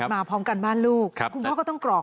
พร้อมกันบ้านลูกคุณพ่อก็ต้องกรอก